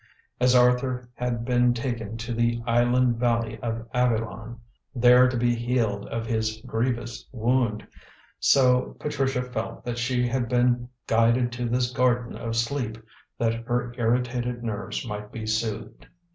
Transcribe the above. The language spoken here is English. As Arthur had been taken to the island valley of Avilion, there to be healed of his grievous wound, so Patricia felt that she had been guided to this Garden of Sleep that her irritated nerves might be soothed.